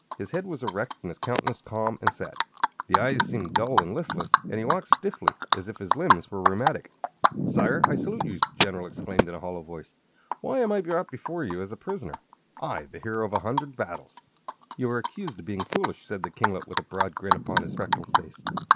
His head was erect and his countenance calm and set. The eyes seemed dull and listless, and he walked stiffly, as if his limbs were rheumatic. "Sire, I salute you!" the General exclaimed, in a hollow voice. "Why am I brought before you as a prisoner I, the hero of a hundred battles?" "You are accused of being foolish," said the kinglet, with a broad grin upon his freckled face.